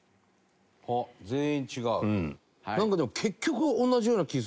あっ全員違う。